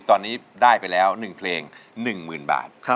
ตอนนี้ได้ไปแล้ว๑เพลง๑๐๐๐บาท